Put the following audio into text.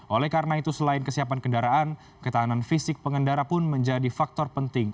oleh karena itu selain kesiapan kendaraan ketahanan fisik pengendara pun menjadi faktor penting